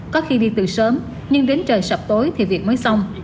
có khi đi từ sớm nhưng đến trời sập tối thì việc mới xong